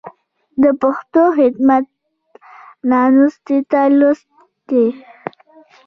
د پښتو خدمت نالوستو ته لوست دی.